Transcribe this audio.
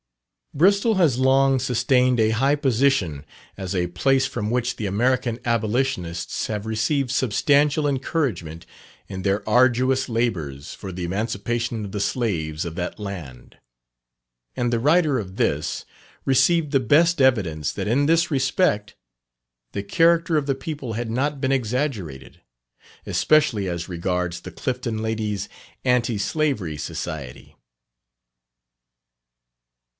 Bristol has long sustained a high position as a place from which the American Abolitionists have received substantial encouragement in their arduous labours for the emancipation of the slaves of that land; and the writer of this received the best evidence that in this respect the character of the people had not been exaggerated, especially as regards the "Clifton Ladies' Anti Slavery Society."